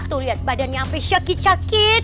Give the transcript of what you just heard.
tuh liat badannya sampe sakit sakit